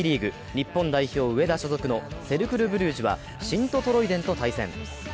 日本代表・上田所属のセルクル・ブリュージュはシント・トロイデンと対戦。